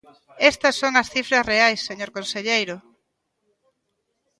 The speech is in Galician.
Estas son as cifras reais, señor conselleiro.